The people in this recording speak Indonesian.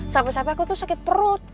sampe sampe aku tuh sakit perut